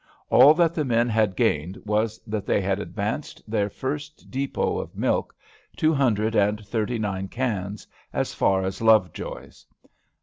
All that the men had gained was that they had advanced their first dépôt of milk two hundred and thirty nine cans as far as Lovejoy's.